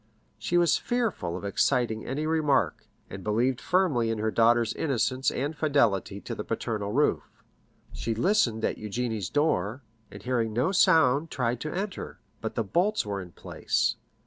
She was fearful of exciting any remark, and believed firmly in her daughter's innocence and fidelity to the paternal roof. She listened at Eugénie's door, and hearing no sound tried to enter, but the bolts were in place.